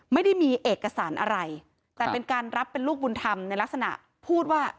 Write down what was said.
ไม่ได้มีเอกสารอะไรแต่เป็นการรับเป็นลูกบุญธรรมในลักษณะพูดว่า